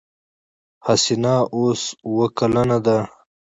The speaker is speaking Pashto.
حسينه اوس اوه کلنه ده.